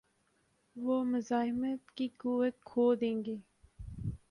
وہ مزاحمت کی قوت کھو دیں گے۔